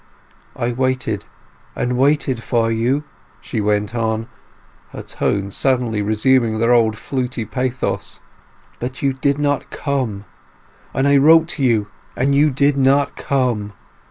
"I waited and waited for you," she went on, her tones suddenly resuming their old fluty pathos. "But you did not come! And I wrote to you, and you did not come!